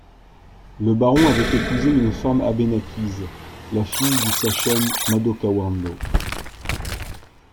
Le baron avait épousé une femme abénaquise, la fille du sachem Madockawando.